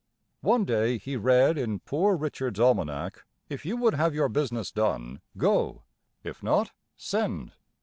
One day he read in "Poor Richard's Almanac": "If you would have your business done, go; if not, send."